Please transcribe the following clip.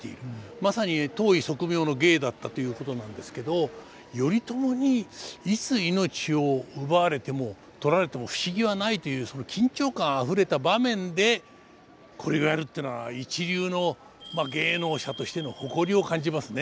まさに当意即妙の芸だったということなんですけど頼朝にいつ命を奪われても取られても不思議はないというその緊張感あふれた場面でこれをやるというのは一流の芸能者としての誇りを感じますね。